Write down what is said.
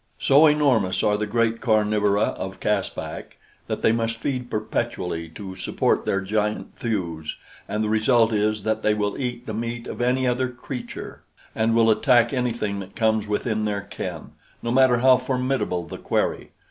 So enormous are the great carnivora of Caspak that they must feed perpetually to support their giant thews, and the result is that they will eat the meat of any other creature and will attack anything that comes within their ken, no matter how formidable the quarry.